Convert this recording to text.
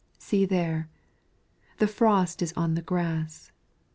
see there, the frost is on the grass!